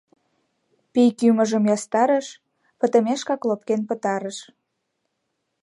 Пий кӱмыжым ястарыш, пытымешкак лопкен пытарыш.